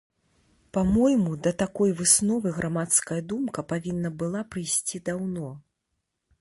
Па-мойму, да такой высновы грамадская думка павінна была прыйсці даўно.